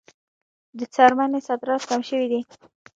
د څرمنې صادرات کم شوي دي